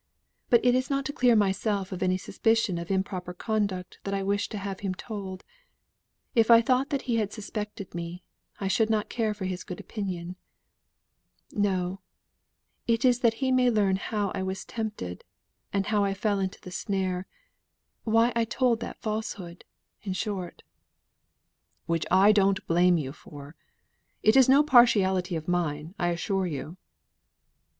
But it is not to clear myself of any suspicion of improper conduct that I wish to have him told if I thought that he had suspected me, I should not care for his good opinion no! it is that he may learn how I was tempted, and how I fell into the snare; why I told that falsehood, in short." "Which I don't blame you for. It is no partiality of mine, I assure you."